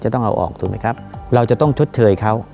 ต้องชดเทยเขา